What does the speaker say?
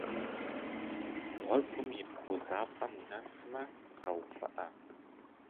Гъуэгум и бгъузапӏэм унэсмэ, къэувыӏэ.